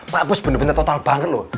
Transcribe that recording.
pak bos benar benar total banget lo